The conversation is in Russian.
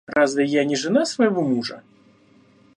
Разве я не жена своего мужа?